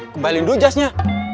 kembali dulu jasnya